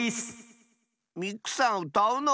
ミクさんうたうの？